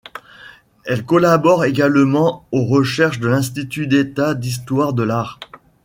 Elle collabore également aux recherches de l'Institut d' État d'histoire de l'art.